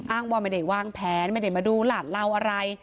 ว่าไม่ได้วางแผนไม่ได้มาดูหลานเราอะไร